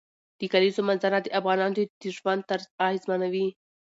د کلیزو منظره د افغانانو د ژوند طرز اغېزمنوي.